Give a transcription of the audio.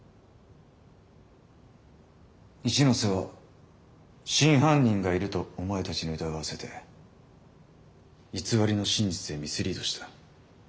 一ノ瀬は真犯人がいるとお前たちに疑わせて偽りの真実へミスリードした。